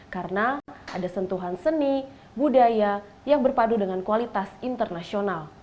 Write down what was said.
karena ada sentuhan seni budaya yang berpadu dengan kualitas internasional